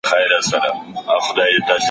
شاه حسین خپله ډېره برخه وخت په حرم کې تېراوه.